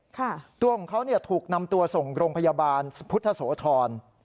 ตัวของเขาเนี่ยถูกนำตัวส่งโรงพยาบาลพุทธโสธร